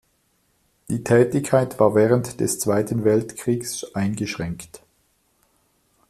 Die Tätigkeit war während des Zweiten Weltkriegs eingeschränkt.